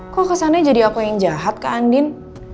kok kesannya jadi aku yang jahat kak andin